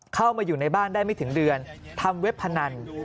เข้ามาอยู่ในบ้านได้ไม่ถึงเดือนทำเว็บพนัน